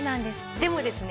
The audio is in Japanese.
でもですね